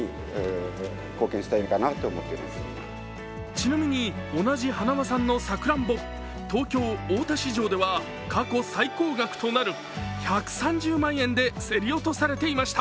ちなみに、同じ花輪さんのさくらんぼ、東京・大田市場では過去最高額となる１３０万円で競り落とされていました。